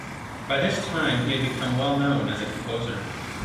By this time he had become well known as a composer.